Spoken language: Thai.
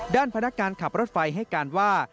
พนักการขับรถไฟให้การว่า